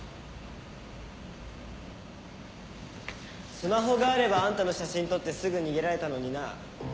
スマホがあればあんたの写真撮ってすぐ逃げられたのにな。